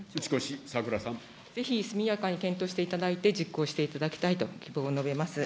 ぜひ速やかに検討していただいて、実行していただきたいと希望を述べます。